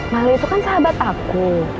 mali itu kan sahabat aku